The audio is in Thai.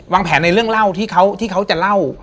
แผนในเรื่องเล่าที่เขาจะเล่า